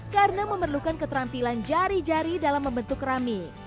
karena memerlukan keterampilan jari jari dalam membentuk kerami